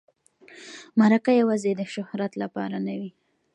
مرکه یوازې د شهرت لپاره نه وي.